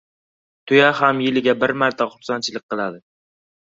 • Tuya ham yiliga bir marta xursandchilik qiladi.